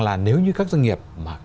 là nếu như các doanh nghiệp mà